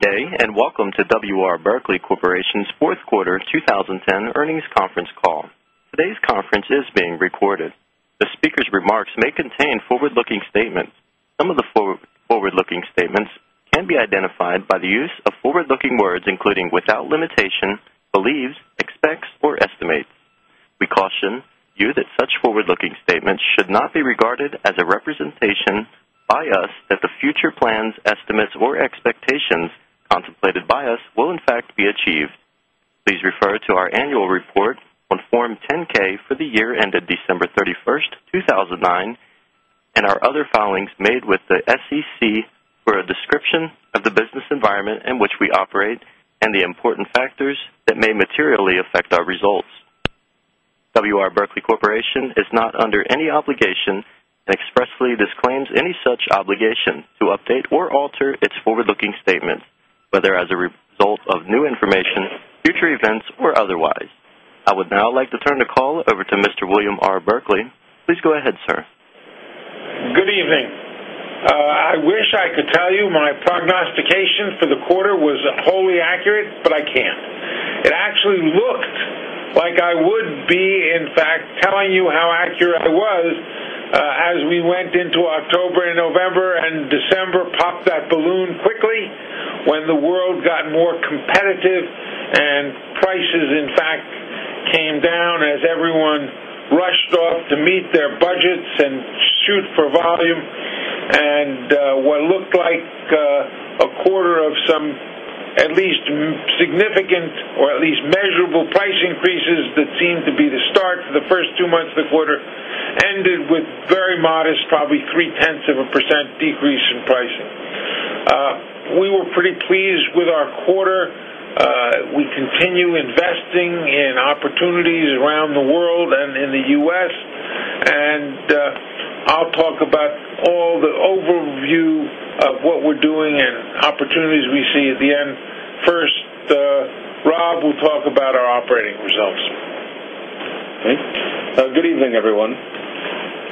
Good day, and welcome to W. R. Berkley Corporation's fourth quarter 2010 earnings conference call. Today's conference is being recorded. The speaker's remarks may contain forward-looking statements. Some of the forward-looking statements can be identified by the use of forward-looking words, including, without limitation, believes, expects or estimates. We caution you that such forward-looking statements should not be regarded as a representation by us that the future plans, estimates, or expectations contemplated by us will in fact be achieved. Please refer to our annual report on Form 10-K for the year ended December 31st, 2009, and our other filings made with the SEC for a description of the business environment in which we operate and the important factors that may materially affect our results. W. R. Berkley Corporation is not under any obligation, and expressly disclaims any such obligation, to update or alter its forward-looking statements, whether as a result of new information, future events, or otherwise. I would now like to turn the call over to Mr. William R. Berkley. Please go ahead, sir. Good evening. I wish I could tell you my prognostication for the quarter was wholly accurate. I can't. It actually looked like I would be, in fact, telling you how accurate I was as we went into October and November. December popped that balloon quickly when the world got more competitive and prices, in fact, came down as everyone rushed off to meet their budgets and shoot for volume. What looked like a quarter of some at least significant or at least measurable price increases that seemed to be the start for the first two months of the quarter ended with very modest, probably three tenths of a % decrease in pricing. We were pretty pleased with our quarter. We continue investing in opportunities around the world and in the U.S. I'll talk about all the overview of what we're doing and opportunities we see at the end. First, Rob will talk about our operating results. Okay. Good evening, everyone.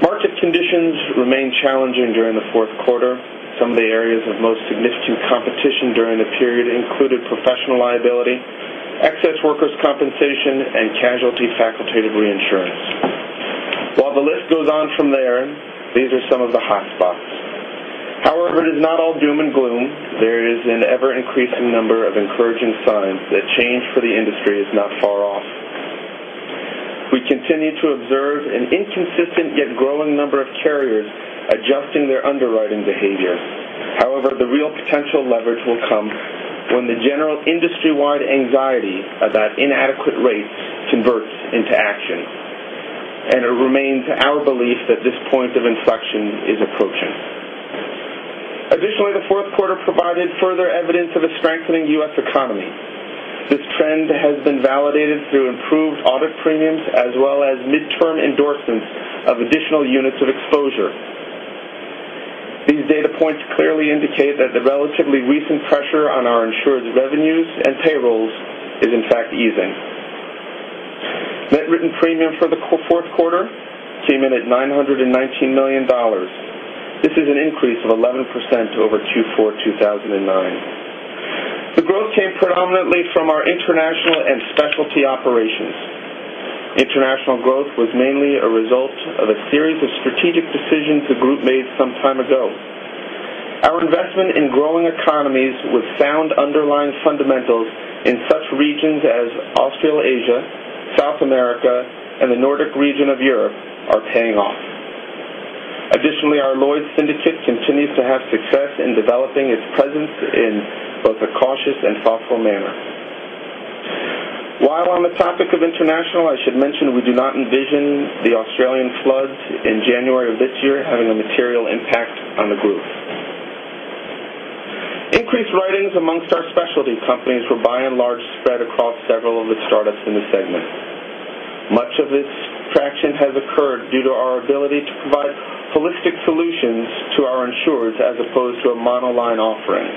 Market conditions remained challenging during the fourth quarter. Some of the areas of most significant competition during the period included professional liability, excess workers' compensation, and casualty facultative reinsurance. While the list goes on from there, these are some of the hotspots. It is not all doom and gloom. There is an ever-increasing number of encouraging signs that change for the industry is not far off. We continue to observe an inconsistent yet growing number of carriers adjusting their underwriting behavior. The real potential leverage will come when the general industry-wide anxiety about inadequate rates converts into action. It remains our belief that this point of inflection is approaching. Additionally, the fourth quarter provided further evidence of a strengthening U.S. economy. This trend has been validated through improved audit premiums as well as midterm endorsements of additional units of exposure. These data points clearly indicate that the relatively recent pressure on our insured's revenues and payrolls is in fact easing. Net written premium for the fourth quarter came in at $919 million. This is an increase of 11% over Q4 2009. The growth came predominantly from our international and specialty operations. International growth was mainly a result of a series of strategic decisions the group made some time ago. Our investment in growing economies with sound underlying fundamentals in such regions as Australasia, South America, and the Nordic region of Europe are paying off. Additionally, our Lloyd's Syndicate continues to have success in developing its presence in both a cautious and thoughtful manner. While on the topic of international, I should mention we do not envision the Australian floods in January of this year having a material impact on the group. Increased writings amongst our specialty companies were by and large spread across several of the startups in the segment. Much of this traction has occurred due to our ability to provide holistic solutions to our insurers as opposed to a monoline offering.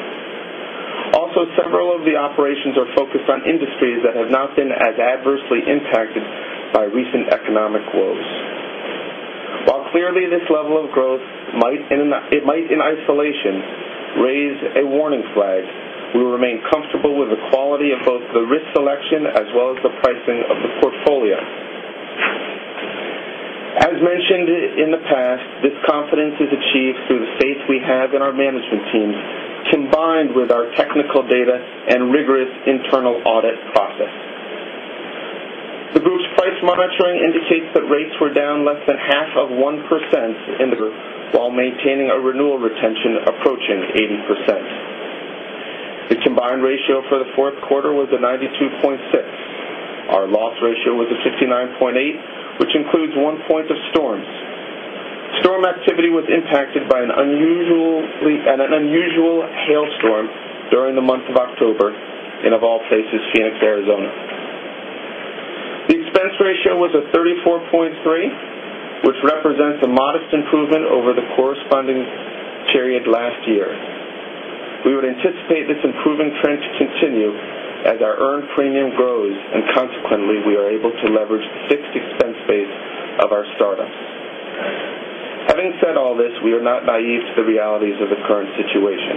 Several of the operations are focused on industries that have not been as adversely impacted by recent economic woes. While clearly this level of growth might, in isolation, raise a warning flag, we remain comfortable with the quality of both the risk selection as well as the pricing of the portfolio. As mentioned in the past, this confidence is achieved through the faith we have in our management teams, combined with our technical data and rigorous internal audit process. The group's price monitoring indicates that rates were down less than half of 1% in the group while maintaining a renewal retention approaching 80%. The combined ratio for the fourth quarter was a 92.6. Our loss ratio was a 69.8, which includes one point of storms. Storm activity was impacted by an unusual hailstorm during the month of October in, of all places, Phoenix, Arizona. The expense ratio was a 34.3, which represents a modest improvement over the corresponding period last year. We would anticipate this improving trend to continue as our earned premium grows, and consequently, we are able to leverage. This, we are not naive to the realities of the current situation.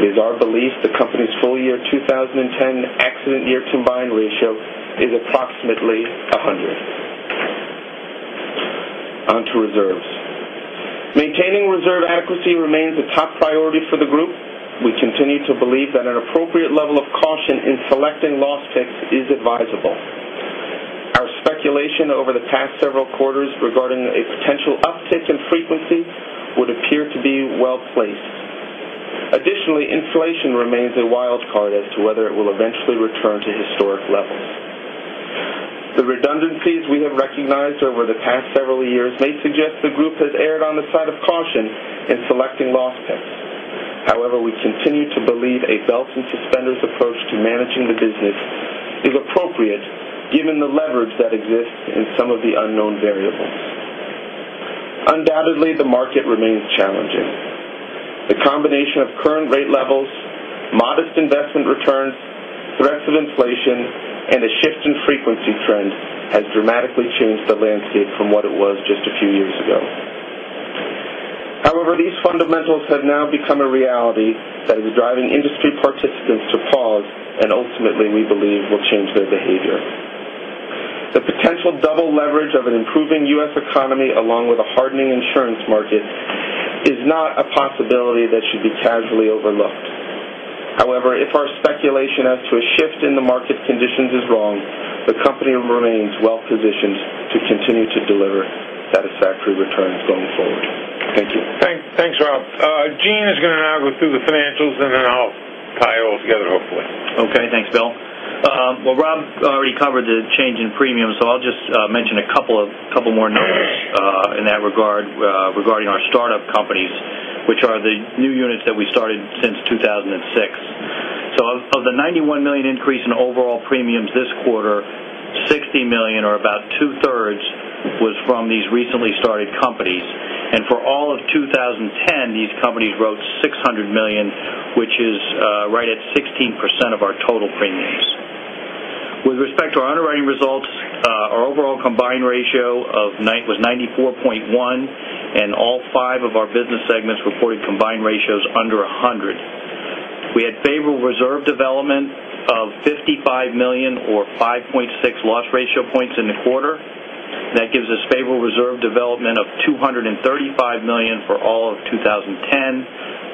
It is our belief the company's full year 2010 accident year combined ratio is approximately 100. On to reserves. Maintaining reserve adequacy remains a top priority for the group. We continue to believe that an appropriate level of caution in selecting loss picks is advisable. Our speculation over the past several quarters regarding a potential uptick in frequency would appear to be well-placed. Additionally, inflation remains a wild card as to whether it will eventually return to historic levels. The redundancies we have recognized over the past several years may suggest the group has erred on the side of caution in selecting loss picks. However, we continue to believe a belt and suspenders approach to managing the business is appropriate given the leverage that exists in some of the unknown variables. Undoubtedly, the market remains challenging. The combination of current rate levels, modest investment returns, threats of inflation, and a shift in frequency trend has dramatically changed the landscape from what it was just a few years ago. However, these fundamentals have now become a reality that is driving industry participants to pause and ultimately, we believe, will change their behavior. The potential double leverage of an improving U.S. economy, along with a hardening insurance market, is not a possibility that should be casually overlooked. However, if our speculation as to a shift in the market conditions is wrong, the company remains well-positioned to continue to deliver satisfactory returns going forward. Thank you. Thanks, Rob. Gene is going to now go through the financials, then I'll tie it all together, hopefully. Okay, thanks, Bill. Well, Rob already covered the change in premiums, I'll just mention a couple more numbers in that regard regarding our startup companies, which are the new units that we started since 2006. Of the $91 million increase in overall premiums this quarter, $60 million, or about two-thirds, was from these recently started companies. For all of 2010, these companies wrote $600 million, which is right at 16% of our total premiums. With respect to our underwriting results, our overall combined ratio was 94.1, and all five of our business segments reported combined ratios under 100. We had favorable reserve development of $55 million, or 5.6 loss ratio points in the quarter. That gives us favorable reserve development of $235 million for all of 2010,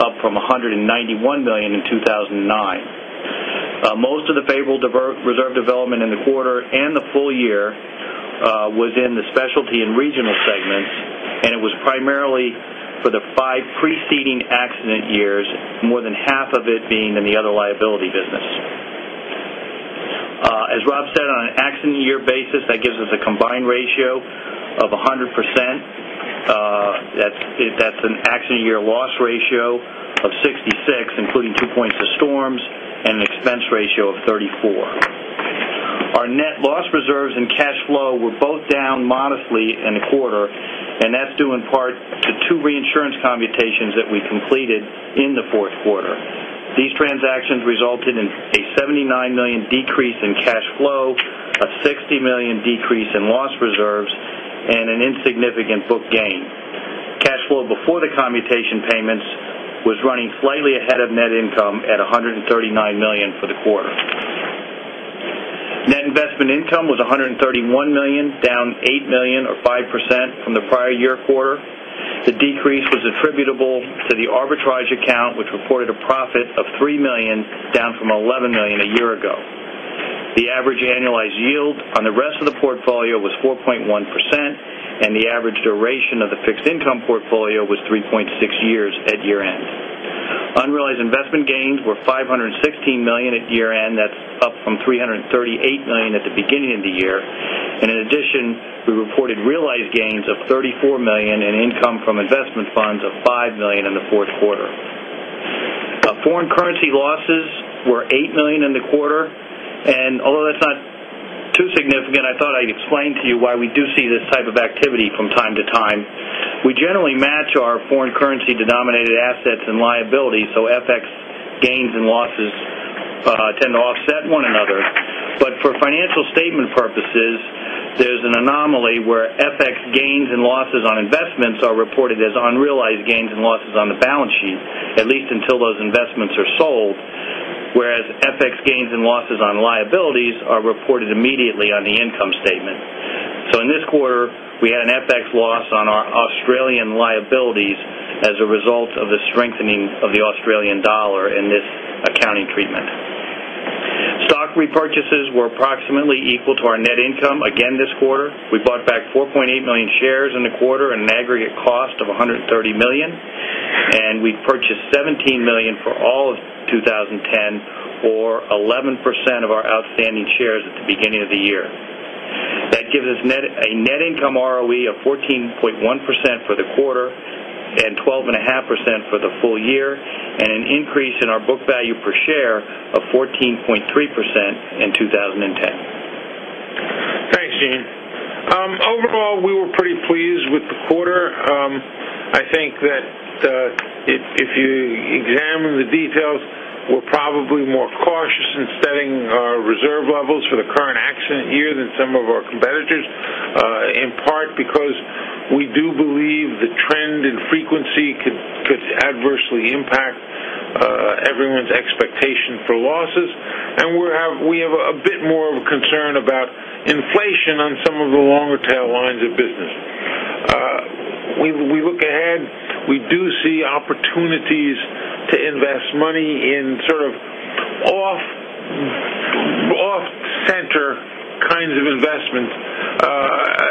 up from $191 million in 2009. Most of the favorable reserve development in the quarter and the full year was in the specialty and regional segments. It was primarily for the five preceding accident years, more than half of it being in the Other Liability business. As Rob said, on an accident year basis, That gives us a combined ratio of 100%. That's an accident year loss ratio of 66, including two points of storms and an expense ratio of 34. Our net loss reserves and cash flow were both down modestly in the quarter. That's due in part to two reinsurance commutations that we completed in the fourth quarter. These transactions resulted in a $79 million decrease in cash flow, a $60 million decrease in loss reserves, and an insignificant book gain. Cash flow before the commutation payments was running slightly ahead of net income at $139 million for the quarter. Net investment income was $131 million, down $8 million or 5% from the prior year quarter. The decrease was attributable to the arbitrage account, which reported a profit of $3 million, down from $11 million a year ago. The average annualized yield on the rest of the portfolio was 4.1%. The average duration of the fixed income portfolio was 3.6 years at year-end. Unrealized investment gains were $516 million at year-end. That's up from $338 million at the beginning of the year. In addition, we reported realized gains of $34 million in income from investment funds of $5 million in the fourth quarter. Foreign currency losses were $8 million in the quarter. Although that's not too significant, I thought I'd explain to you why we do see this type of activity from time to time. We generally match our foreign currency denominated assets and liabilities. FX gains and losses tend to offset one another. For financial statement purposes, there's an anomaly where FX gains and losses on investments are reported as unrealized gains and losses on the balance sheet, at least until those investments are sold, whereas FX gains and losses on liabilities are reported immediately on the income statement. In this quarter, we had an FX loss on our Australian liabilities as a result of the strengthening of the Australian dollar in this accounting treatment. Stock repurchases were approximately equal to our net income again this quarter. We bought back 4.8 million shares in the quarter at an aggregate cost of $130 million. We purchased 17 million for all of 2010, or 11% of our outstanding shares at the beginning of the year. That gives us a net income ROE of 14.1% for the quarter and 12.5% for the full year, and an increase in our book value per share of 14.3% in 2010. Thanks, Gene. Overall, we were pretty pleased with the quarter. I think that if you managers, in part because we do believe the trend in frequency could adversely impact everyone's expectation for losses. We have a bit more of a concern about inflation on some of the longer tail lines of business. We look ahead, we do see opportunities to invest money in off-center kinds of investments.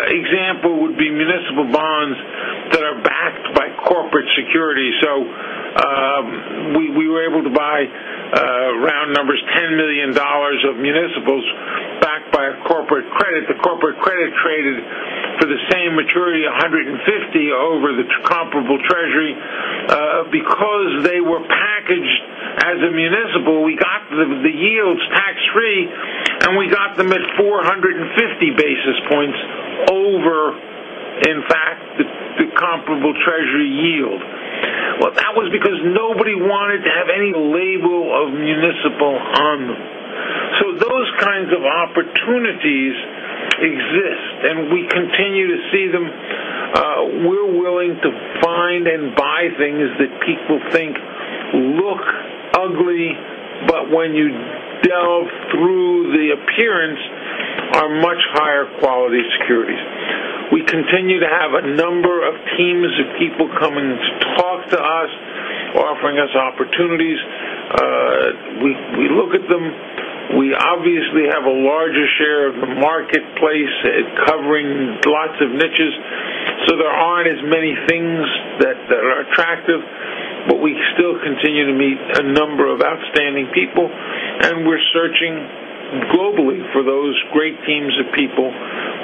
Example would be municipal bonds that are backed by corporate security. We were able to buy, round numbers, $10 million of municipals backed by a corporate credit. The corporate credit traded for the same maturity, 150 over the comparable treasury, because they were packaged as a municipal, we got the yields tax-free, and we got them at 450 basis points over, in fact, the comparable treasury yield. That was because nobody wanted to have any label of municipal on them. Those kinds of opportunities exist, and we continue to see them. We're willing to find and buy things that people think look ugly, but when you delve through the appearance, are much higher quality securities. We continue to have a number of teams of people coming in to talk to us, offering us opportunities. We look at them. We obviously have a larger share of the marketplace, covering lots of niches, so there aren't as many things that are attractive, but we still continue to meet a number of outstanding people, and we're searching globally for those great teams of people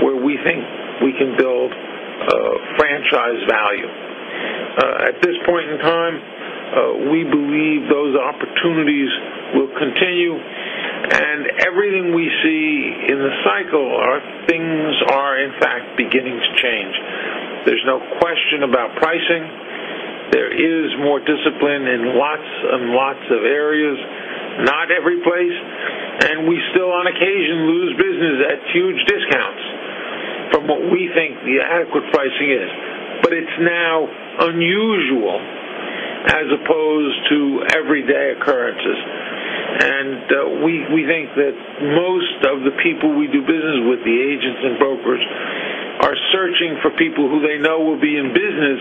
where we think we can build franchise value. At this point in time, we believe those opportunities will continue, and everything we see in the cycle are things are, in fact, beginning to change. There's no question about pricing. There is more discipline in lots and lots of areas. Not every place. We still, on occasion, lose business at huge discounts from what we think the adequate pricing is. It's now unusual as opposed to everyday occurrences. We think that most of the people we do business with, the agents and brokers, are searching for people who they know will be in business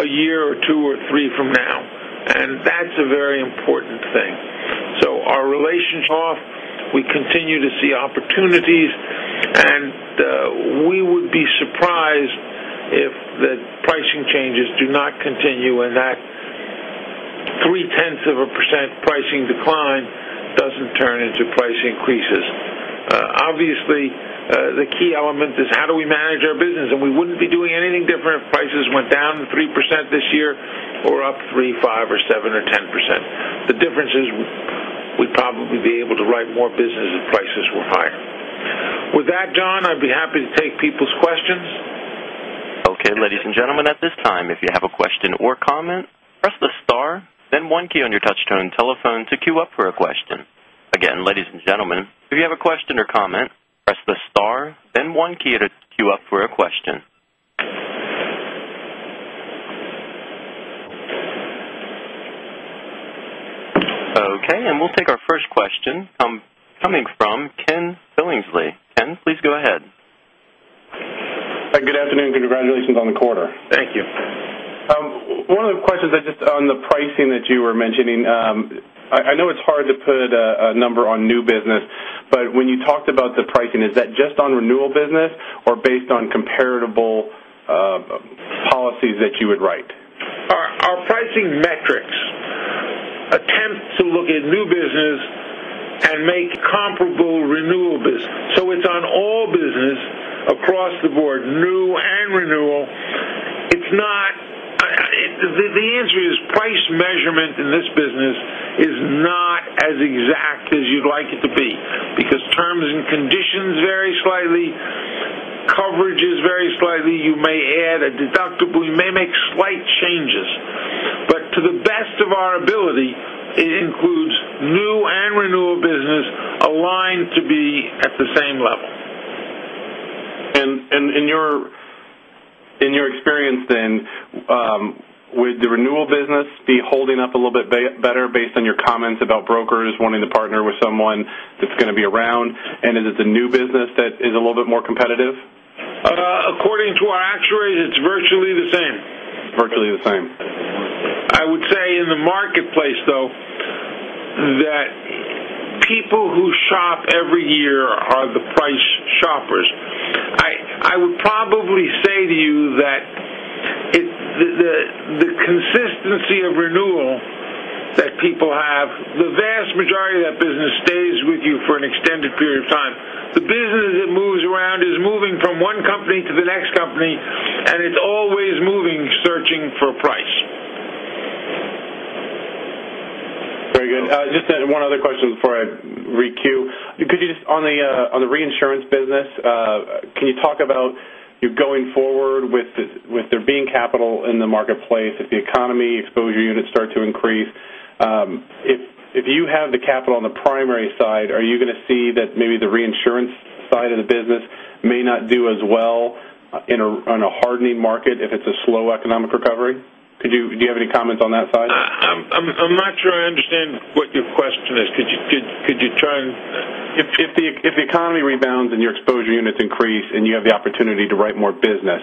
a year or two or three from now. That's a very important thing. Our relationship off, we continue to see opportunities, and we would be surprised if the pricing changes do not continue and that 0.3% pricing decline doesn't turn into price increases. Obviously, the key element is how do we manage our business? We wouldn't be doing anything different if prices went down 3% this year or up 3%, 5%, or 7% or 10%. The difference is we'd probably be able to write more business if prices were higher. With that, John, I'd be happy to take people's questions. ladies and gentlemen, at this time, if you have a question or comment, press the star, then one key on your touch tone telephone to queue up for a question. Again, ladies and gentlemen, if you have a question or comment, press the star, then one key to queue up for a question. We'll take our first question coming from Ken Billingsley. Ken, please go ahead. Good afternoon. Congratulations on the quarter. Thank you. One of the questions on the pricing that you were mentioning. I know it's hard to put a number on new business, but when you talked about the pricing, is that just on renewal business or based on comparable policies that you would write? Our pricing metrics attempt to look at new business and make comparable renewal business. It's on all business across the board, new and renewal. The answer is price measurement in this business is not as exact as you'd like it to be because terms and conditions vary slightly, coverage is very slightly, you may add a deductible, you may make slight changes. To the best of our ability, it includes new and renewal business aligned to be at the same level. In your experience then, would the renewal business be holding up a little bit better based on your comments about brokers wanting to partner with someone that's going to be around, and is it the new business that is a little bit more competitive? According to our actuaries, it's virtually the same. Virtually the same. I would say in the marketplace, though, that people who shop every year are the price shoppers. I would probably say to you that the consistency of renewal that people have, the vast majority of that business stays with you for an extended period of time. The business that moves around is moving from one company to the next company, it's always moving, searching for price. Very good. Just one other question before I re-queue. On the reinsurance business, can you talk about you going forward? With there being capital in the marketplace, if the economy exposure units start to increase, if you have the capital on the primary side, are you going to see that maybe the reinsurance side of the business may not do as well on a hardening market if it's a slow economic recovery? Do you have any comments on that side? I'm not sure I understand what your question is. Could you try? If the economy rebounds and your exposure units increase and you have the opportunity to write more business,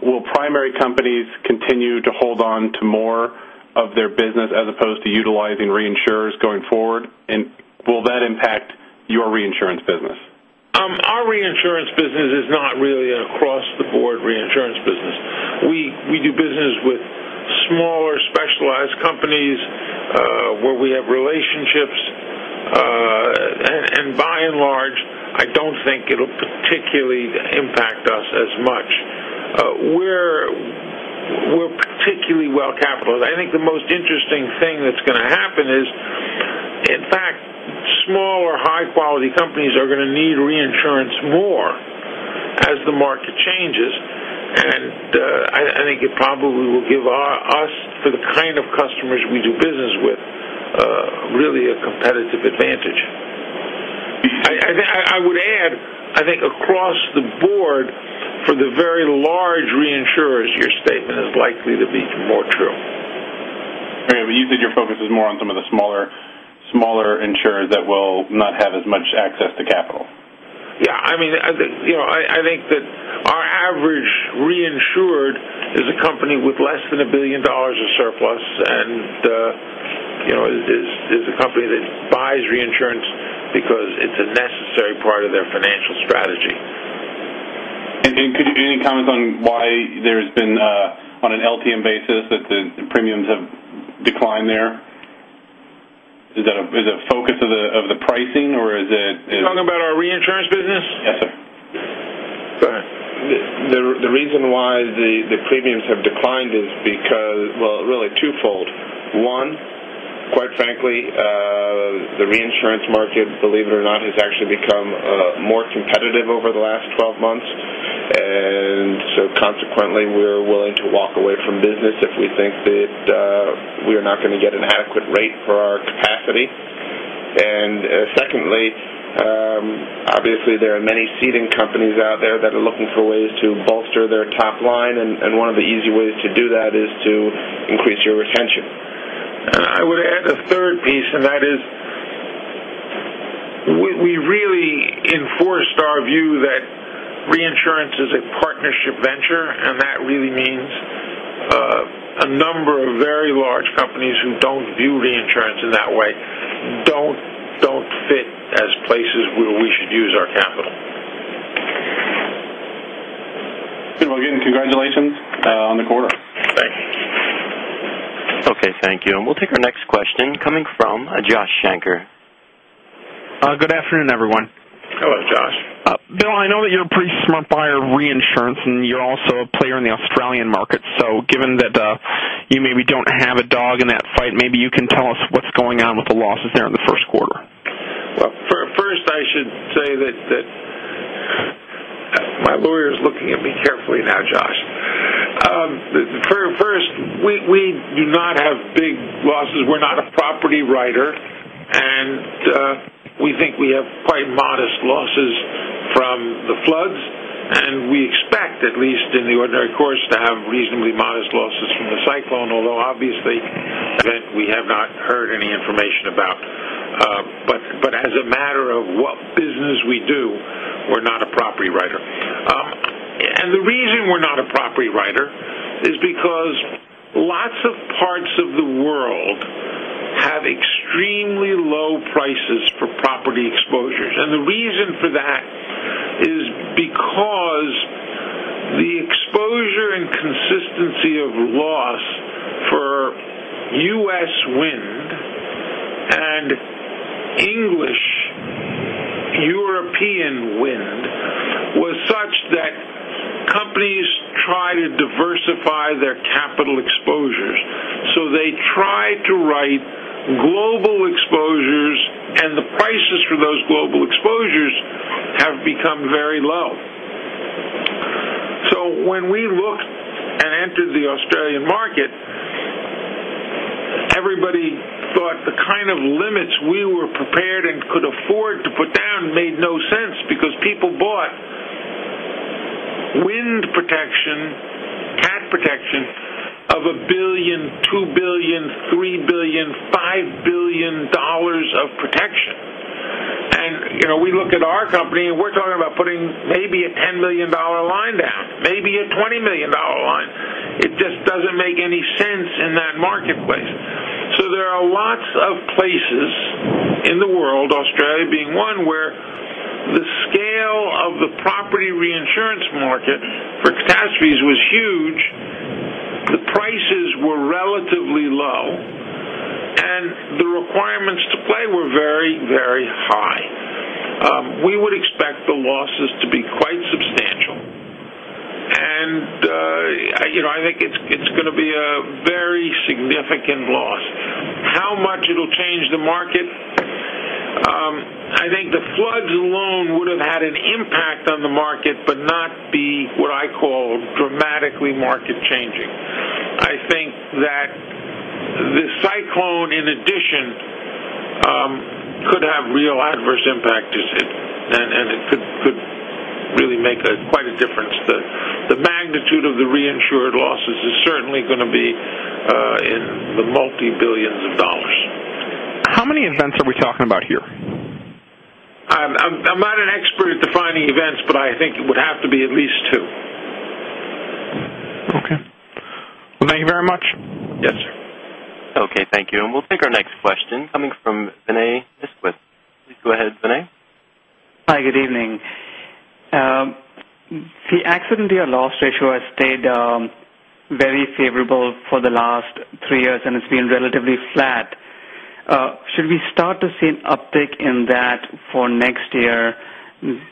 will primary companies continue to hold on to more of their business as opposed to utilizing reinsurers going forward? Will that impact your reinsurance business? Our reinsurance business is not really an across-the-board reinsurance business. We do business with smaller, specialized companies, where we have relationships. By and large, I don't think it'll particularly impact us as much. We're particularly well-capitalized. I think the most interesting thing that's going to happen is, in fact, smaller, high-quality companies are going to need reinsurance more as the market changes. I think it probably will give us, for the kind of customers we do business with, really a competitive advantage. I would add, I think across the board for the very large reinsurers, your statement is likely to be more true. Okay. You said your focus is more on some of the smaller insurers that will not have as much access to capital. Yeah. I think that our average reinsured is a company with less than $1 billion of surplus and is a company that buys reinsurance because it's a necessary part of their financial strategy. Could you give any comments on why there's been, on an LTM basis, that the premiums have declined there? Is it a focus of the pricing, or is it- You're talking about our reinsurance business? Yes, sir. Go ahead. The reason why the premiums have declined is because, well, really twofold. One, quite frankly, the reinsurance market, believe it or not, has actually become more competitive over the last 12 months. Consequently, we're willing to walk away from business if we think that we are not going to get an adequate rate for our capacity. Secondly, obviously, there are many ceding companies out there that are looking for ways to bolster their top line, and one of the easy ways to do that is to increase your retention. I would add a third piece, that is, we really enforced our view that reinsurance is a partnership venture, that really means a number of very large companies who don't view reinsurance in that way don't fit as places where we should use our capital. Bill, again, congratulations on the quarter. Thank you. Okay. Thank you. We'll take our next question coming from Joshua Shanker. Good afternoon, everyone. Hello, Josh. Bill, I know that you're a pretty smart buyer of reinsurance, and you're also a player in the Australian market. Given that you maybe don't have a dog in that fight, maybe you can tell us what's going on with the losses there in the first quarter. Well, first, I should say that. My lawyer's looking at me carefully now, Josh. First, we do not have big losses. We're not a property writer, and we think we have quite modest losses from the floods. We expect, at least in the ordinary course, to have reasonably modest losses from the Cyclone, although obviously, event we have not heard any information about. As a matter of what business we do, we're not a property writer. The reason we're not a property writer is because lots of parts of the world have extremely low prices for property exposures. The reason for that is because the exposure and consistency of loss for U.S. wind and English European wind was such that companies try to diversify their capital exposures. They try to write global exposures, and the prices for those global exposures have become very low. When we looked and entered the Australian market, everybody thought the kind of limits we were prepared and could afford to put down made no sense because people bought wind protection, catastrophe protection of $1 billion, $2 billion, $3 billion, $5 billion of protection. We look at our company, and we're talking about putting maybe a $10 million line down, maybe a $20 million line. It just doesn't make any sense in that marketplace. There are lots of places in the world, Australia being one, where the scale of the property reinsurance market for catastrophes was huge. The prices were relatively low, and the requirements to play were very, very high. We would expect the losses to be quite substantial. I think it alone would have had an impact on the market, but not be what I call dramatically market changing. I think that the cyclone, in addition, could have real adverse impact, and it could really make quite a difference. The magnitude of the reinsured losses is certainly going to be in the multi-billions of USD. How many events are we talking about here? I'm not an expert at defining events. I think it would have to be at least two. Okay. Well, thank you very much. Yes, sir. Okay. Thank you. We'll take our next question coming from Vinay Viswanathan. Please go ahead, Vinay. Hi, good evening. The accident year loss ratio has stayed very favorable for the last three years, and it's been relatively flat. Should we start to see an uptick in that for next year,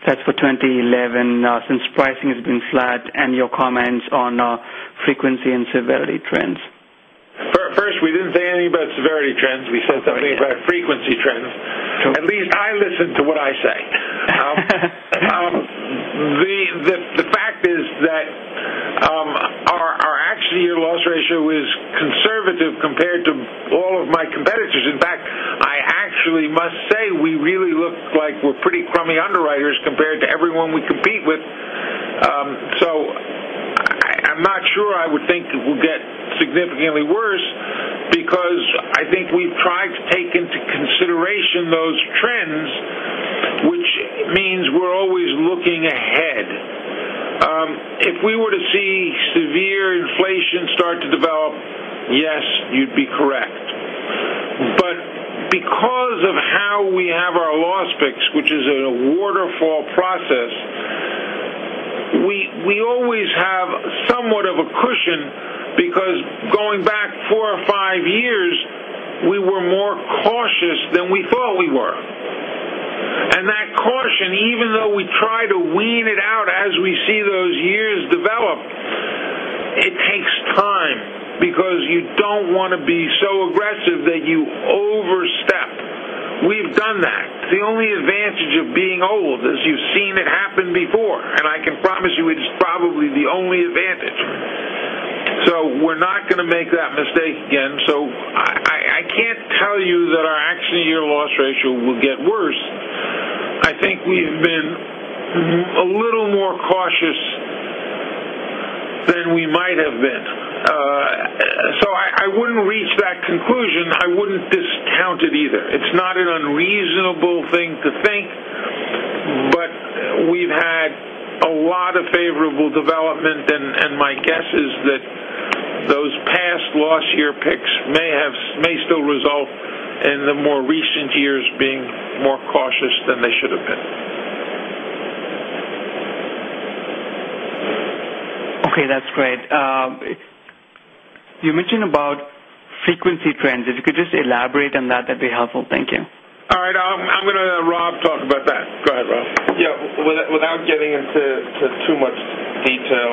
that's for 2011, since pricing has been flat, and your comments on frequency and severity trends? First, we didn't say anything about severity trends. We said something about frequency trends. At least I listen to what I say. The fact is that our accident year loss ratio is conservative compared to all of my competitors. In fact, I actually must say we really look like we're pretty crummy underwriters compared to everyone we compete with. I'm not sure I would think it will get significantly worse because I think we've tried to take into consideration those trends, which means we're always looking ahead. If we were to see severe inflation start to develop, yes, you'd be correct. Because of how we have our loss picks, which is a waterfall process, we always have somewhat of a cushion because going back four or five years, we were more cautious than we thought we were. That caution, even though we try to wean it out as we see those years develop, it takes time because you don't want to be so aggressive that you overstep. We've done that. The only advantage of being old is you've seen it happen before, and I can promise you it is probably the only advantage. We're not going to make that mistake again. I can't tell you that our accident year loss ratio will get worse. I think we've been a little more cautious than we might have been. I wouldn't reach that conclusion. I wouldn't discount it either. It's not an unreasonable thing to think, but we've had a lot of favorable development, and my guess is that those past loss year picks may still result in the more recent years being more cautious than they should have been. Okay, that's great. You mentioned about frequency trends. If you could just elaborate on that'd be helpful. Thank you. All right. I'm going to have Rob talk about that. Go ahead, Rob. Yeah. Without getting into too much detail,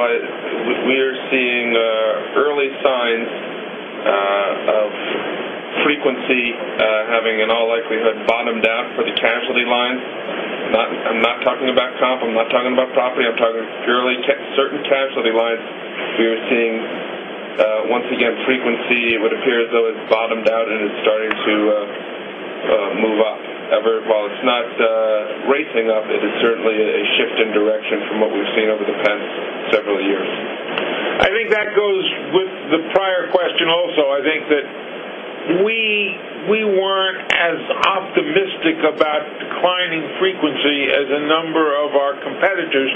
we are seeing early signs of frequency having in all likelihood bottomed out for the casualty lines. I'm not talking about comp, I'm not talking about property. I'm talking purely certain casualty lines. We are seeing, once again, frequency. It would appear as though it's bottomed out and it's starting to move up. However, while it's not racing up, it is certainly a shift in direction from what we've seen over the past several years. I think that goes with the prior question also. I think that we weren't as optimistic about declining frequency as a number of our competitors,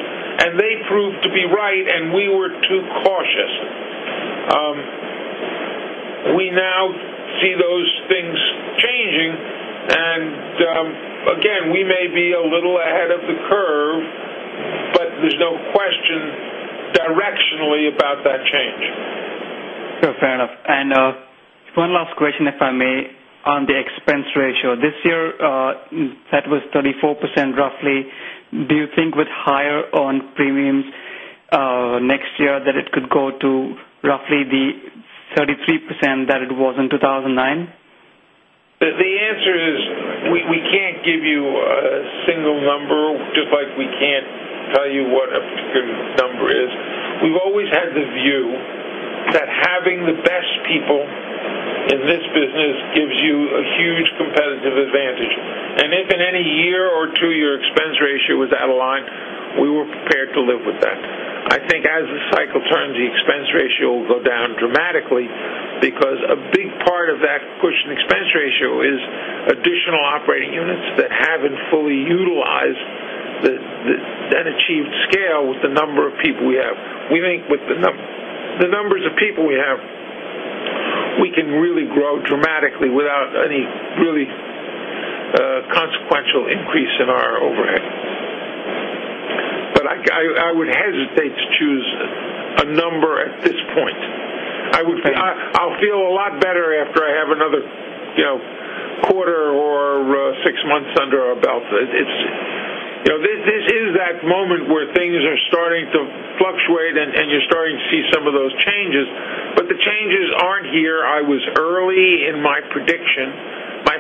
and they proved to be right, and we were too cautious. We now see those things changing and, again, we may be a little ahead of the curve, but there's no question directionally about that change. Sure, fair enough. One last question, if I may, on the expense ratio. This year, that was 34% roughly. Do you think with higher on premiums next year that it could go to roughly the 33% that it was in 2009? The answer is we can't give you a single number, just like we can't tell you what a particular number is. We've always had the view that having the best people in this business gives you a huge competitive advantage. If in any year or two your expense ratio was out of line, we were prepared to live with that. I think as the cycle turns, the expense ratio will go down dramatically because a big part of that pushing expense ratio is additional operating units that haven't fully utilized that achieved scale with the number of people we have. We think with the numbers of people we have, we can really grow dramatically without any really consequential increase in our overhead. I would hesitate to choose a number at this point. Okay. I'll feel a lot better after I have another quarter or six months under our belt. Prediction.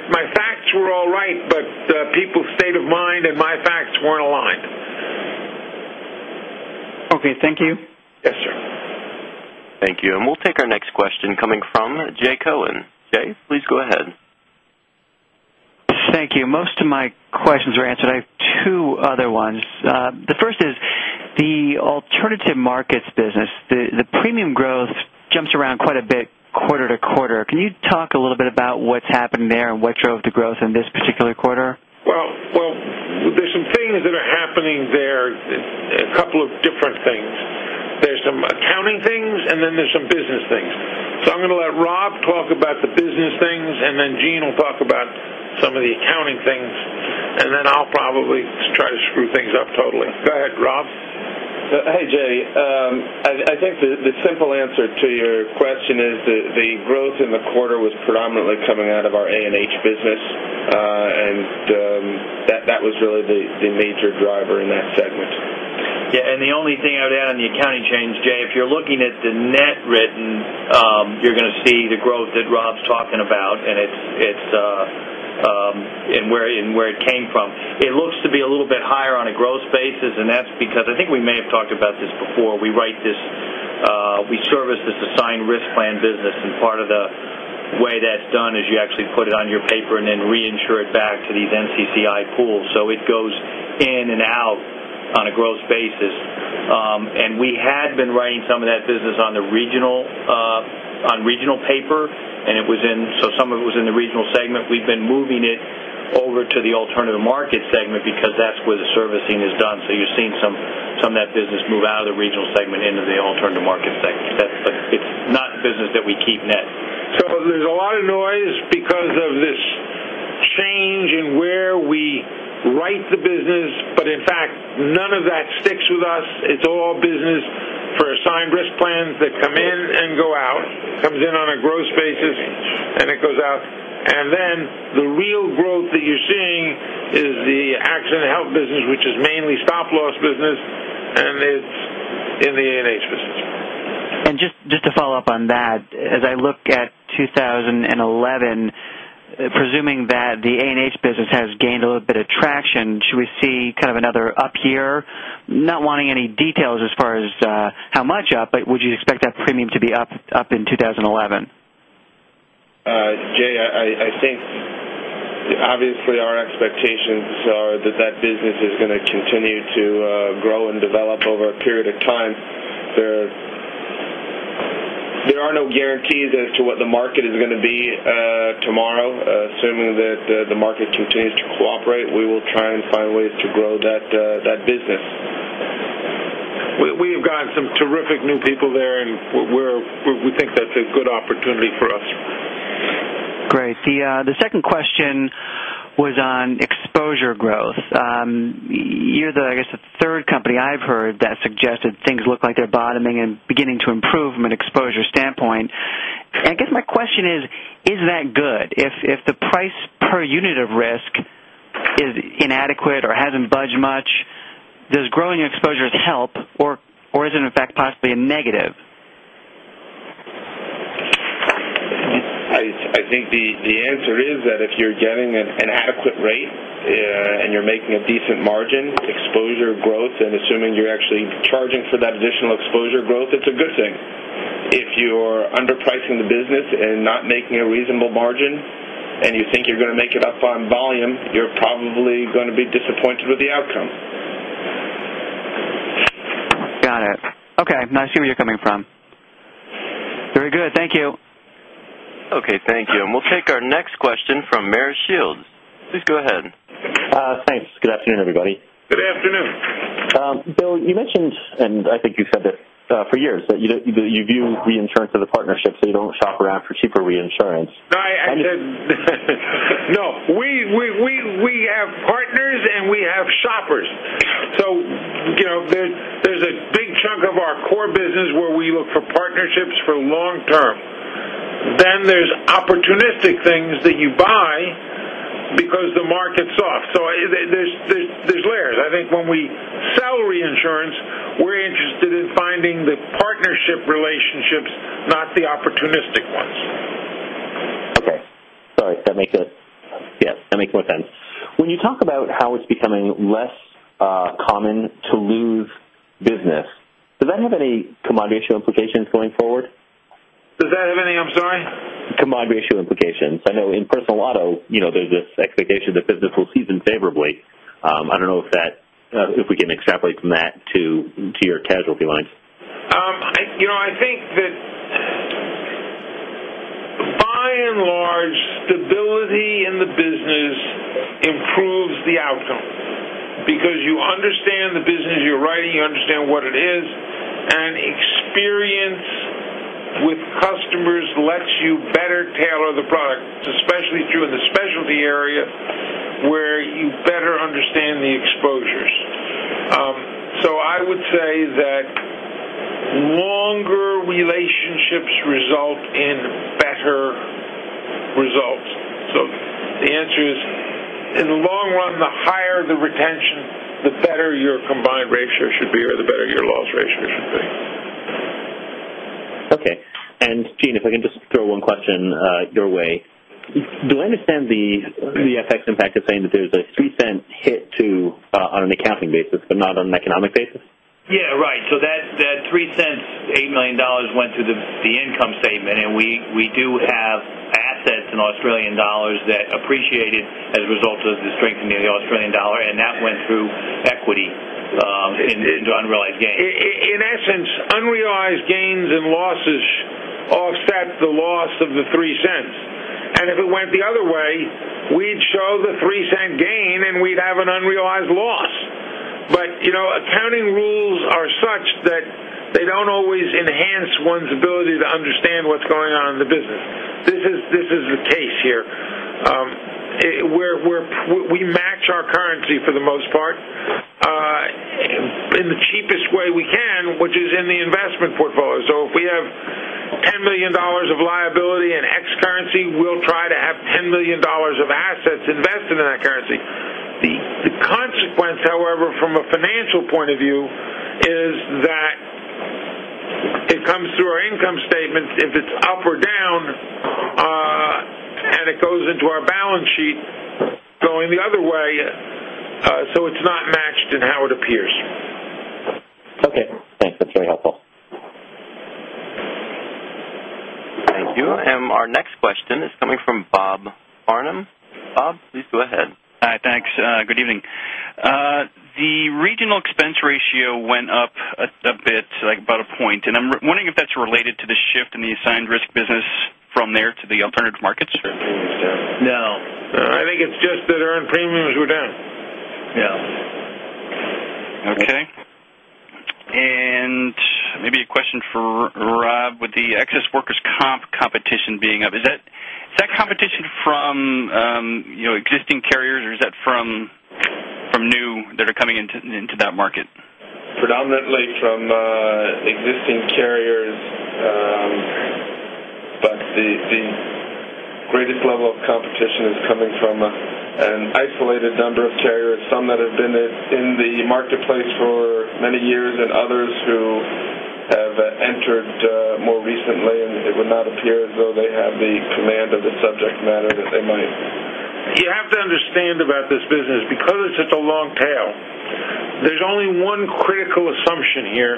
My facts were all right, but the people's state of mind and my facts weren't aligned. Okay. Thank you. Yes, sir. Thank you. We'll take our next question coming from Jay Cohen. Jay, please go ahead. Thank you. Most of my questions were answered. I have two other ones. The first is the alternative markets business. The premium growth jumps around quite a bit quarter to quarter. Can you talk a little bit about what's happened there and what drove the growth in this particular quarter? Well, there's some things that are happening there, a couple of different things. There's some accounting things, and then there's some business things. I'm going to let Rob talk about the business things, and then Gene will talk about some of the accounting things, and then I'll probably try to screw things up totally. Go ahead, Rob. Hey, Jay. I think the simple answer to your question is that the growth in the quarter was predominantly coming out of our A&H business. That was really the major driver in that segment. The only thing I would add on the accounting change, Jay, if you're looking at the net written, you're going to see the growth that Rob's talking about and where it came from. It looks to be a little bit higher on a growth basis, that's because I think we may have talked about this before. We service this assigned risk plan business, and part of the way that's done is you actually put it on your paper and then reinsure it back to these NCCI pools. It goes in and out on a growth basis. We had been writing some of that business on regional paper, some of it was in the regional segment. We've been moving it over to the alternative market segment because that's where the servicing is done. You're seeing some of that business move out of the regional segment into the alternative market segment. It's not business that we keep net. There's a lot of noise because of this change in where we write the business, but in fact, none of that sticks with us. It's all business for assigned risk plans that come in and go out, comes in on a growth basis, and it goes out. The real growth that you're seeing is the accident and health business, which is mainly stop loss business, and it's in the A&H business. Just to follow up on that, as I look at 2011, presuming that the A&H business has gained a little bit of traction, should we see kind of another up year? Not wanting any details as far as how much up, but would you expect that premium to be up in 2011? Jay, I think obviously our expectations are that that business is going to continue to grow and develop over a period of time. There are no guarantees as to what the market is going to be tomorrow. Assuming that the market continues to cooperate, we will try and find ways to grow that business. We have gotten some terrific new people there, and we think that's a good opportunity for us. Great. The second question was on exposure growth. You're the, I guess, the third company I've heard that suggested things look like they're bottoming and beginning to improve from an exposure standpoint. I guess my question is that good? If the price per unit of risk is inadequate or hasn't budged much, does growing your exposures help or is it in fact possibly a negative? I think the answer is that if you're getting an adequate rate and you're making a decent margin, exposure growth, and assuming you're actually charging for that additional exposure growth, it's a good thing. If you're underpricing the business and not making a reasonable margin and you think you're going to make it up on volume, you're probably going to be disappointed with the outcome. Got it. Okay. No, I see where you're coming from. Very good. Thank you. Okay, thank you. We'll take our next question from Meyer Shields. Please go ahead. Thanks. Good afternoon, everybody. Good afternoon. Bill, you mentioned, and I think you said that for years, that you view reinsurance as a partnership, so you don't shop around for cheaper reinsurance. No, we have partners, and we have shoppers. There's a big chunk of our core business where we look for partnerships for long-term. There's opportunistic things that you buy because the market's soft. There's layers. I think when we sell reinsurance, we're interested in finding the partnership relationships, not the opportunistic ones. Okay. Sorry. That makes more sense. When you talk about how it's becoming less common to lose business, does that have any combined ratio implications going forward? Does that have any, I'm sorry? Combined ratio implications. I know in personal auto, there's this expectation that business will season favorably. I don't know if we can extrapolate from that to your casualty lines. I think that by and large, stability in the business improves the outcome because you understand the business you're writing, you understand what it is, and experience with customers lets you better tailor the product, especially if you're in the specialty area where you better understand the exposures. I would say that longer relationships result in better results. The answer is, in the long run, the higher the retention, the better your combined Okay. Gene, if I can just throw one question your way. Do I understand the FX impact as saying that there's a $0.03 hit on an accounting basis, but not on an economic basis? Yeah, right. That $0.03, $8 million went to the income statement, and we do have assets in Australian dollars that appreciated as a result of the strengthening of the Australian dollar, and that went through equity into unrealized gains. In essence, unrealized gains and losses offset the loss of the $0.03. If it went the other way, we'd show the $0.03 gain and we'd have an unrealized loss. Accounting rules are such that they don't always enhance one's ability to understand what's going on in the business. This is the case here. We match our currency for the most part in the cheapest way we can, which is in the investment portfolio. If we have $10 million of liability in X currency, we'll try to have $10 million of assets invested in that currency. The consequence, however, from a financial point of view, is that it comes through our income statement if it's up or down, and it goes into our balance sheet going the other way, so it's not matched in how it appears. Okay, thanks. That's very helpful. Thank you. Our next question is coming from Robert Farnum. Bob, please go ahead. Hi. Thanks. Good evening. The regional expense ratio went up a bit, like about one point. I'm wondering if that's related to the shift in the assigned risk business from there to the alternative markets? No. I think it's just that earned premiums were down. Yeah. Okay. Maybe a question for Rob. With the excess workers' comp competition being up, is that competition from existing carriers or is that from new that are coming into that market? Predominantly from existing carriers. The greatest level of competition is coming from an isolated number of carriers, some that have been in the marketplace for many years and others who have entered more recently, it would not appear as though they have the command of the subject matter that they might. You have to understand about this business, because it's such a long tail, there's only one critical assumption here,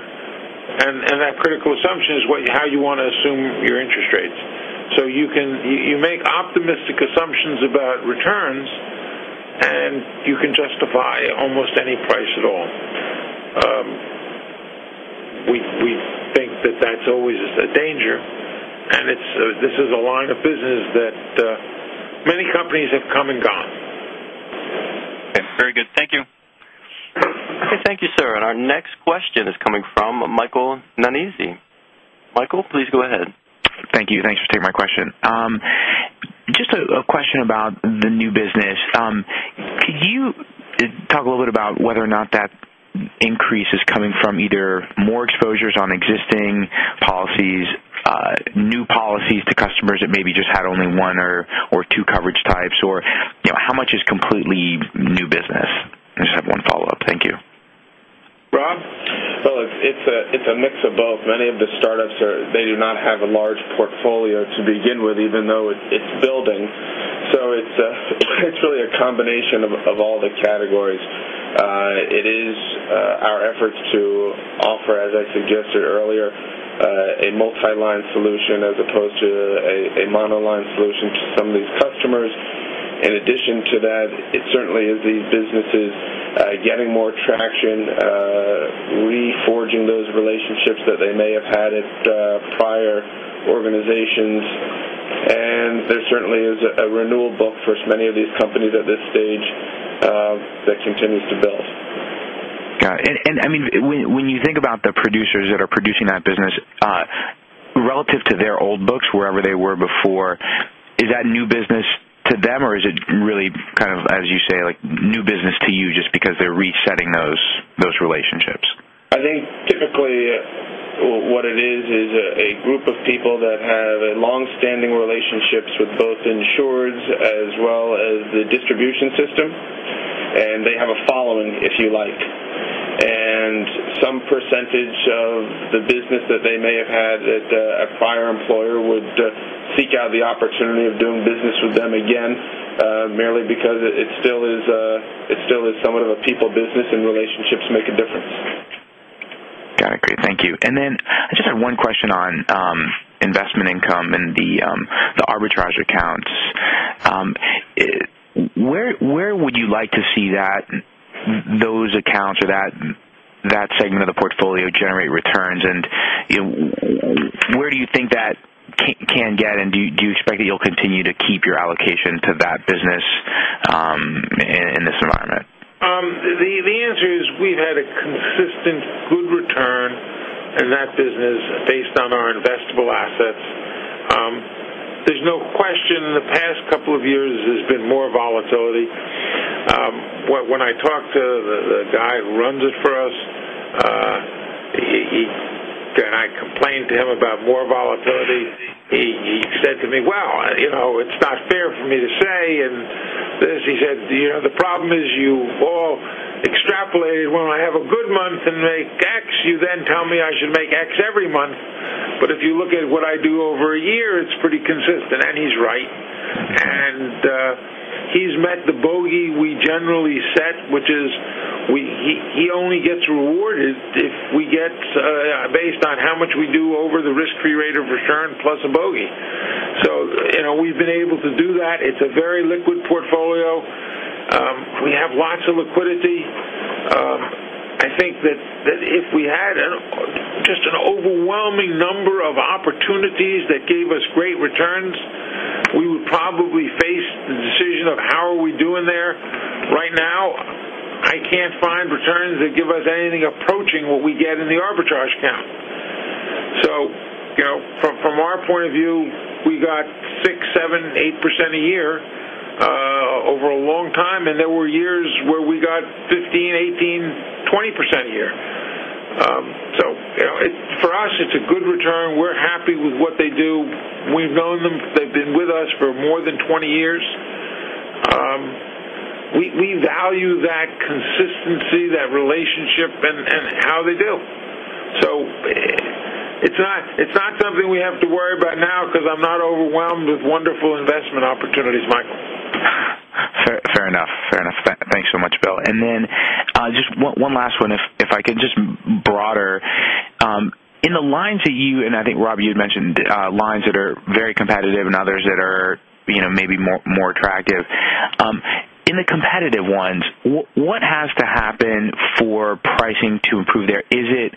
that critical assumption is how you want to assume your interest rates. You make optimistic assumptions about returns, you can justify almost any price at all. We think that that's always a danger, this is a line of business that many companies have come and gone. Okay. Very good. Thank you. Okay. Thank you, sir. Our next question is coming from Michael Nannizzi. Michael, please go ahead. Thank you. Thanks for taking my question. Just a question about the new business. Could you talk a little bit about whether or not that increase is coming from either more exposures on existing policies, new policies to customers that maybe just had only one or two coverage types, or how much is completely new business? I just have one follow-up. Thank you. Rob? Well, it's a mix of both. Many of the startups, they do not have a large portfolio to begin with, even though it's building. It's really a combination of all the categories. It is our efforts to offer, as I suggested earlier, a multi-line solution as opposed to a monoline solution to some of these customers. In addition to that, it certainly is these businesses getting more traction, reforging those relationships that they may have had at prior organizations. There certainly is a renewal book for many of these companies at this stage that continues to build. Got it. When you think about the producers that are producing that business, relative to their old books, wherever they were before, is that new business to them, or is it really kind of, as you say, new business to you just because they're resetting those relationships? I think typically what it is a group of people that have longstanding relationships with both insureds as well as the distribution system, and they have a following, if you like. Some percentage of the business that they may have had at a prior employer would seek out the opportunity of doing business with them again, merely because it still is somewhat of a people business and relationships make a difference. Got it. Great. Thank you. Then I just had one question on investment income and the arbitrage accounts. Where would you like to see those accounts or that segment of the portfolio generate returns? Where do you think that can get, and do you expect that you'll continue to keep your allocation to that business in this environment? The answer is we've had a consistent good return in that business based on our investable assets. There's no question in the past couple of years, there's been more volatility. When I talk to the guy who runs it for us, and I complained to him about more volatility, he said to me, "What?" is you all extrapolate when I have a good month and make X, you then tell me I should make X every month. If you look at what I do over a year, it's pretty consistent. He's right. He's met the bogey we generally set, which is he only gets rewarded based on how much we do over the risk-free rate of return plus a bogey. We've been able to do that. It's a very liquid portfolio. We have lots of liquidity. I think that if we had just an overwhelming number of opportunities that gave us great returns, we would probably face the decision of how are we doing there. Right now, I can't find returns that give us anything approaching what we get in the arbitrage account. From our point of view, we got 6, 7, 8% a year, over a long time, and there were years where we got 15, 18, 20% a year. For us, it's a good return. We're happy with what they do. We've known them. They've been with us for more than 20 years. We value that consistency, that relationship, and how they do. It's not something we have to worry about now because I'm not overwhelmed with wonderful investment opportunities, Michael. Fair enough. Thanks so much, Bill. Just one last one, if I could, just broader. In the lines that you, and I think, Rob, you'd mentioned lines that are very competitive and others that are maybe more attractive. In the competitive ones, what has to happen for pricing to improve there? Is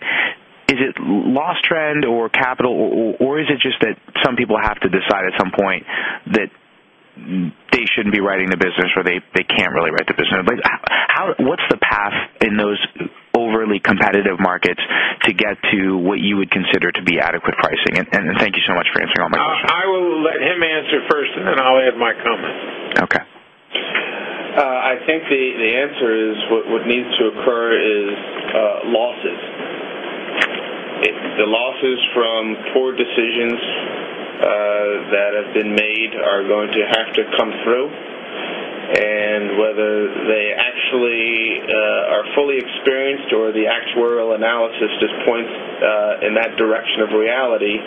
it loss trend or capital, or is it just that some people have to decide at some point that they shouldn't be writing the business or they can't really write the business? What's the path in those overly competitive markets to get to what you would consider to be adequate pricing? Thank you so much for answering all my questions. I will let him answer first. I'll add my comment. Okay. I think the answer is, what needs to occur is losses. The losses from poor decisions that have been made are going to have to come through. Whether they actually are fully experienced or the actuarial analysis just points in that direction of reality,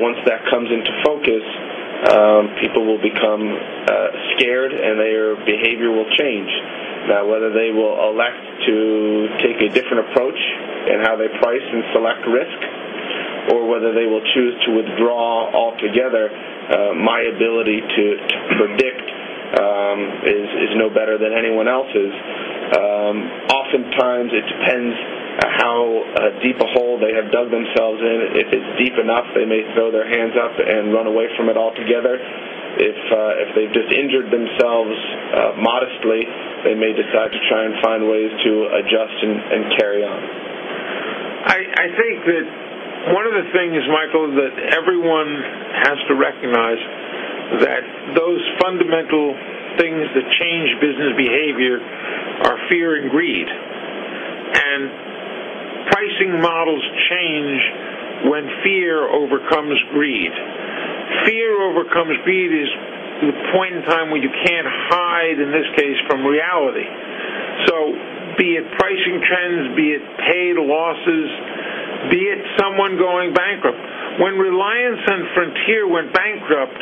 once that comes into focus, people will become scared, and their behavior will change. Whether they will elect to take a different approach in how they price and select risk, or whether they will choose to withdraw altogether, my ability to predict is no better than anyone else's. Oftentimes, it depends how deep a hole they have dug themselves in. If it's deep enough, they may throw their hands up and run away from it altogether. If they've just injured themselves modestly, they may decide to try and find ways to adjust and carry on. I think that one of the things, Michael, that everyone has to recognize is that those fundamental things that change business behavior are fear and greed. Pricing models change when fear overcomes greed. Fear overcomes greed is the point in time when you can't hide, in this case, from reality. Be it pricing trends, be it paid losses, be it someone going bankrupt. When Reliance and Frontier went bankrupt,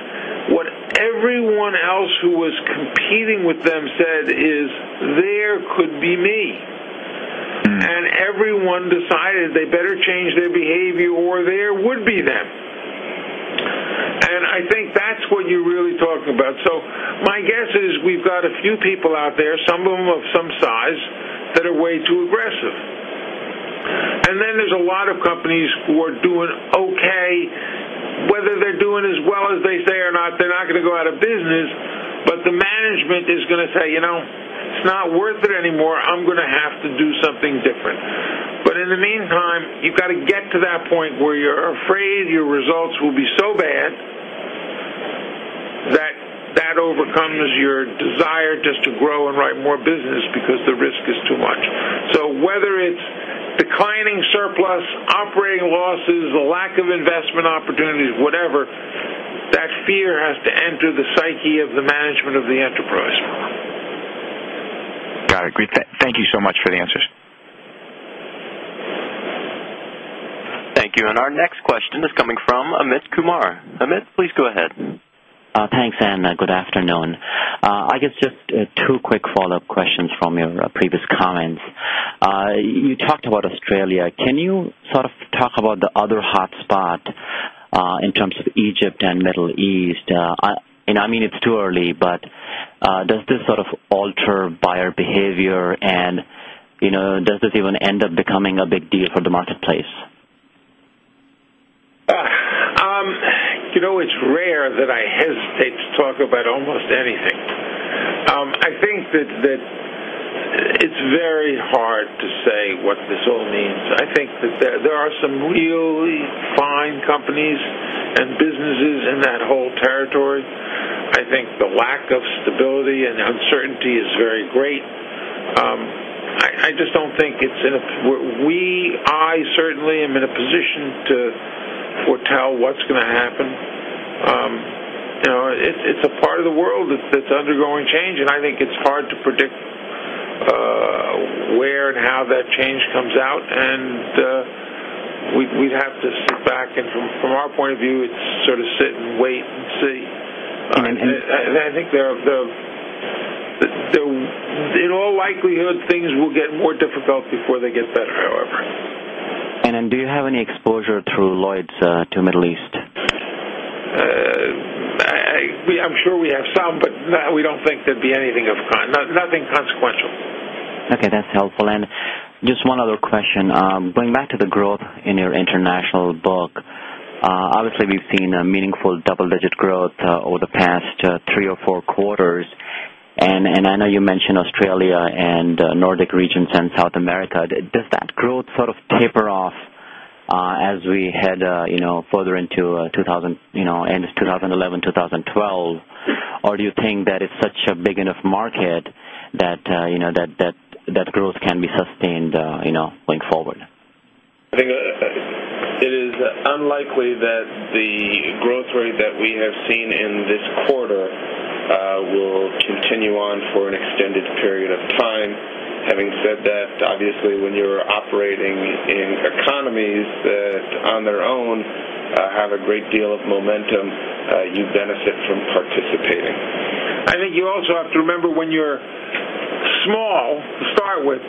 what everyone else who was competing with them said is, "There could be me. Everyone decided they better change their behavior or there would be them. I think that's what you're really talking about. My guess is we've got a few people out there, some of them of some size, that are way too aggressive. Then there's a lot of companies who are doing okay. Whether they're doing as well as they say or not, they're not going to go out of business, but the management is going to say, "It's not worth it anymore. I'm going to have to do something different." In the meantime, you've got to get to that point where you're afraid your results will be so bad that that overcomes your desire just to grow and write more business because the risk is too much. Whether it's declining surplus, operating losses, a lack of investment opportunities, whatever, that fear has to enter the psyche of the management of the enterprise. Got it. Great. Thank you so much for the answers. Thank you. Our next question is coming from Amit Kumar. Amit, please go ahead. Thanks, good afternoon. I guess just two quick follow-up questions from your previous comments. You talked about Australia. Can you sort of talk about the other hot spot, in terms of Egypt and Middle East? I mean, it's too early, does this sort of alter buyer behavior, does this even end up becoming a big deal for the marketplace? You know, it's rare that I hesitate to talk about almost anything. I think that it's very hard to say what this all means. I think that there are some really fine companies and businesses in that whole territory. I think the lack of stability and uncertainty is very great. It's a part of the world that's undergoing change, and I think it's hard to predict where and how that change comes out. We'd have to sit back and from our point of view, it's sort of sit and wait and see. And- I think in all likelihood, things will get more difficult before they get better, however. Do you have any exposure through Lloyd's to Middle East? I'm sure we have some, no, we don't think there'd be anything of kind. Nothing consequential. Okay, that's helpful. Just one other question. Going back to the growth in your international book, obviously we've seen a meaningful double-digit growth over the past three or four quarters, and I know you mentioned Australia and Nordic regions and South America. Does that growth sort of taper off as we head further into end of 2011, 2012, or do you think that it's such a big enough market that growth can be sustained going forward? I think it is unlikely that the growth rate that we have seen in this quarter will continue on for an extended period of time. Having said that, obviously when you're operating in economies that on their own have a great deal of momentum, you benefit from participating. I think you also have to remember when you're small, to start with,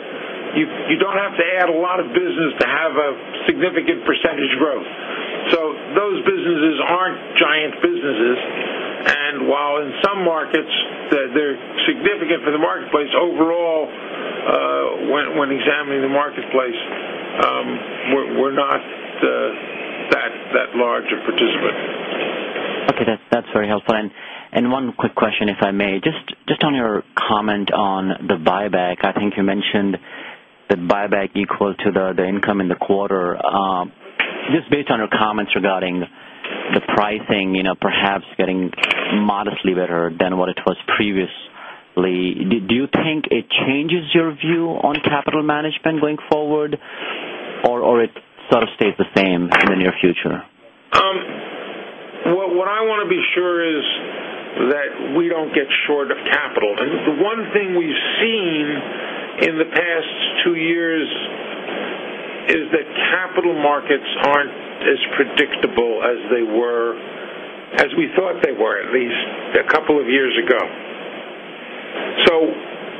you don't have to add a lot of business to have a significant percentage growth. Those businesses aren't giant businesses, and while in some markets they're significant for the marketplace, overall, when examining the marketplace, we're not that large a participant. Okay, that's very helpful. One quick question, if I may. Just on your comment on the buyback, I think you mentioned the buyback equal to the income in the quarter. Just based on your comments regarding the pricing perhaps getting modestly better than what it was previously, do you think it changes your view on capital management going forward, or it sort of stays the same in the near future? What I want to be sure is that we don't get short of capital. The one thing we've seen in the past two years is that capital markets aren't as predictable as they were, as we thought they were at least a couple of years ago.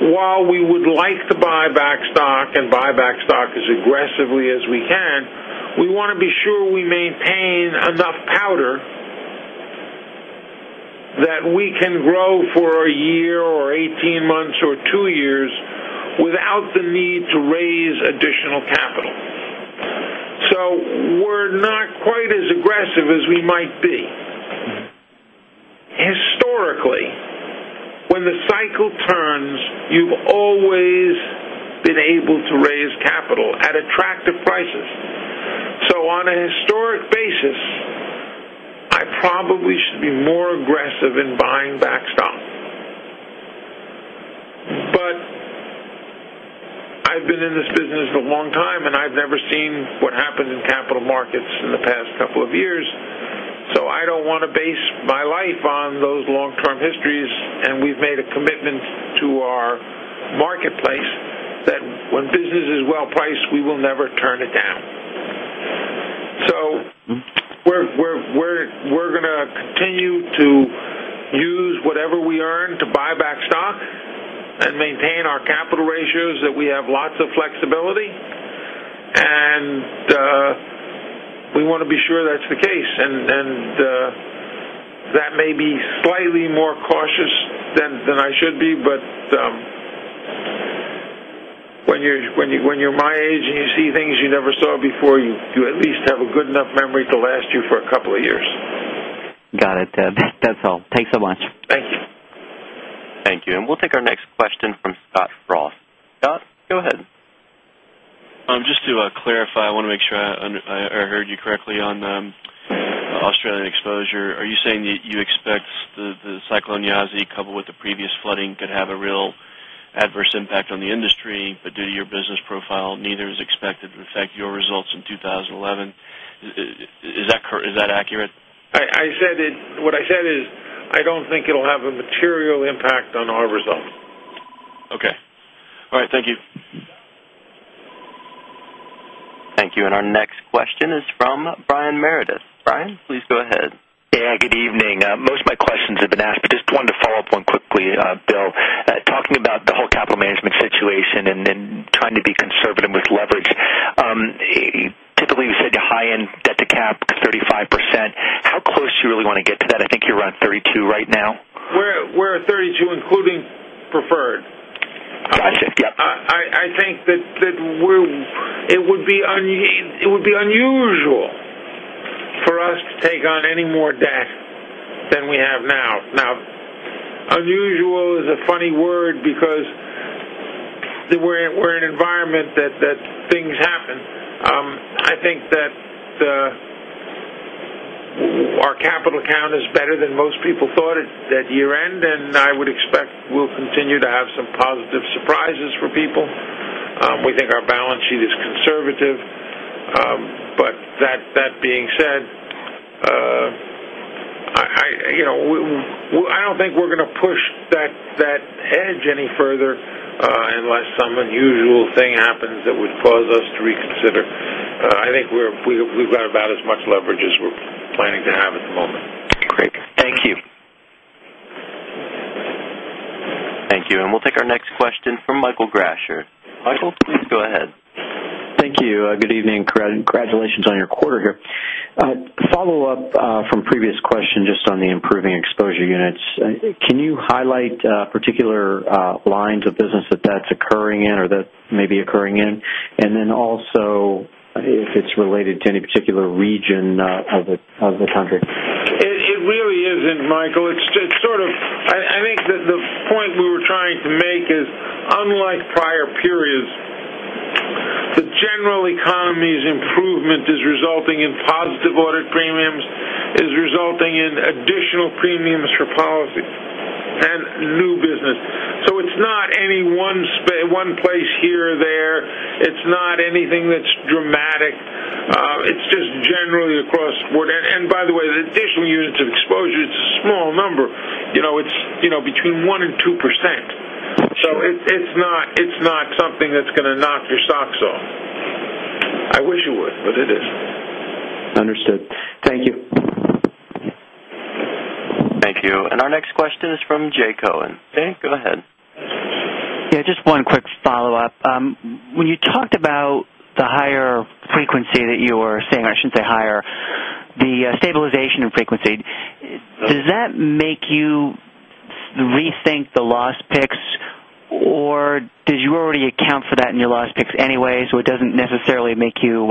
While we would like to buy back stock and buy back stock as aggressively as we can, we want to be sure we maintain enough powder that we can grow for a year or 18 months or two years without the need to raise additional capital. We're not quite as aggressive as we might be. Historically, when the cycle turns, you've always been able to raise capital at attractive prices. On a historic basis, I probably should be more aggressive in buying back stock. I've been in this business a long time, and I've never seen what happened in capital markets in the past couple of years, so I don't want to base my life on those long-term histories, and we've made a commitment to our marketplace that when business is well-priced, we will never turn it down. We're going to continue to use whatever we earn to buy back stock and maintain our capital ratios that we have lots of flexibility, and we want to be sure that's the case. That may be slightly more cautious than I should be, but when you're my age and you see things you never saw before, you at least have a good enough memory to last you for a couple of years. Got it. That's all. Thanks so much. Thank you. Thank you. We'll take our next question from Scott Frost. Scott, go ahead. Just to clarify, I want to make sure I heard you correctly on Australian exposure. Are you saying that you expect the Cyclone Yasi coupled with the previous flooding could have a real adverse impact on the industry, but due to your business profile, neither is expected to affect your results in 2011? Is that accurate? What I said is, I don't think it'll have a material impact on our results. Okay. All right. Thank you. Thank you. Our next question is from Brian Meredith. Brian, please go ahead. Yeah, good evening. Most of my questions have been asked, but just wanted to follow up on quickly, Bill. Talking about the whole capital management situation and then trying to be conservative with leverage. Typically, you said your high-end debt to cap is 35%. How close do you really want to get to that? I think you're around 32% right now. We're at 32%, including preferred. Gotcha. Yep. I think that it would be unusual for us to take on any more debt than we have now. Unusual is a funny word because we're in an environment that things happen. I think that our capital count is better than most people thought at year-end, and I would expect we'll continue to have some positive surprises for people. That being said, I don't think we're going to push that edge any further unless some unusual thing happens that would cause us to reconsider. I think we've got about as much leverage as we're planning to have at the moment. Great. Thank you. Thank you. We'll take our next question from Michael Grasher. Michael, please go ahead. Thank you. Good evening. Congratulations on your quarter here. Follow-up from previous question just on the improving exposure units. Can you highlight particular lines of business that that's occurring in or that may be occurring in? Then also, if it's related to any particular region of the country? It really isn't, Michael. I think that the point we were trying to make is, unlike prior periods, the general economy's improvement is resulting in positive audit premiums, is resulting in additional premiums for policies and new business. It's not any one place here or there. It's not anything that's dramatic. It's just generally across the board. The additional units of exposure, it's a small number. It's between one and 2%. It's not something that's going to knock your socks off. I wish it would, but it isn't. Understood. Thank you. Thank you. Our next question is from Jay Cohen. Jay, go ahead. Yeah, just one quick follow-up. When you talked about the higher frequency that you were seeing, or I shouldn't say higher, the stabilization of frequency. Does that make you rethink the loss picks or did you already account for that in your loss picks anyway, so it doesn't necessarily make you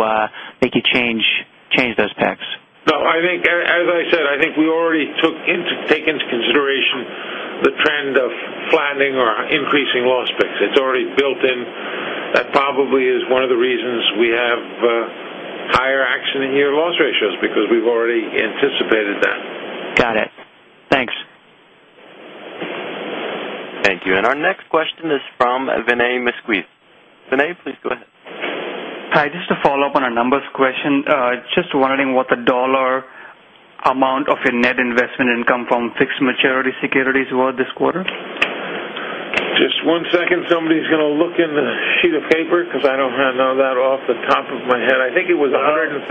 change those picks? No. As I said, I think we already take into consideration the trend of flattening or increasing loss picks. It's already built in. That probably is one of the reasons we have higher accident year loss ratios, because we've already anticipated that. Got it. Thanks. Thank you. Our next question is from Vinay Viswanathan. Vinay, please go ahead. Hi. Just to follow up on a numbers question. Just wondering what the dollar amount of your net investment income from fixed maturity securities were this quarter? Just one second. Somebody's going to look in the sheet of paper because I don't know that off the top of my head. I think it was $131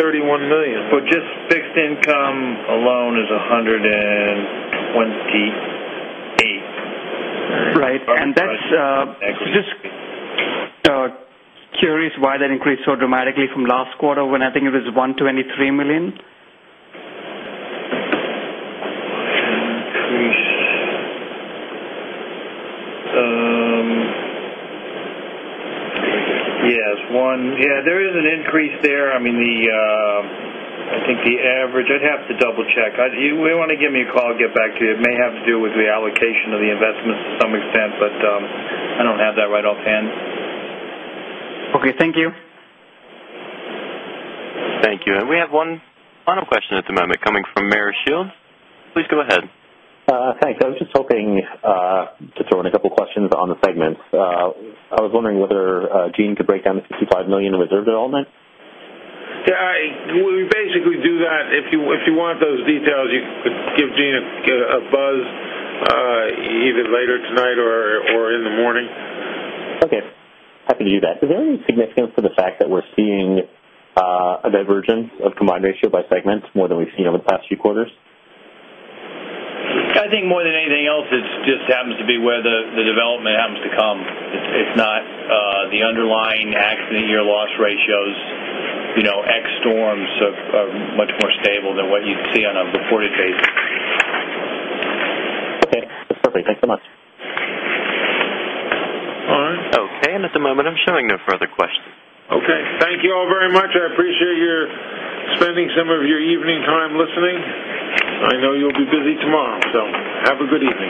million. Just fixed income alone is $128. Right. Just curious why that increased so dramatically from last quarter when I think it was $123 million. Increase. Yes. There is an increase there. I think the average, I'd have to double check. If you want to give me a call, I'll get back to you. It may have to do with the allocation of the investments to some extent, I don't have that right offhand. Okay. Thank you. Thank you. We have one final question at the moment coming from Meyer Shields. Please go ahead. Thanks. I was just hoping to throw in a couple questions on the segments. I was wondering whether Gene could break down the $55 million reserve development. Yeah. We basically do that. If you want those details, you could give Gene a buzz either later tonight or in the morning. Okay. Happy to do that. Is there any significance to the fact that we're seeing a divergence of combined ratio by segments more than we've seen over the past few quarters? I think more than anything else, it just happens to be where the development happens to come. It's not the underlying accident year loss ratios. Ex-storms are much more stable than what you'd see on a reported basis. Okay. That's perfect. Thanks so much. Okay. At the moment, I'm showing no further questions. Okay. Thank you all very much. I appreciate your spending some of your evening time listening. I know you'll be busy tomorrow, so have a good evening.